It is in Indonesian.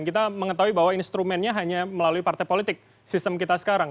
kita mengetahui bahwa instrumennya hanya melalui partai politik sistem kita sekarang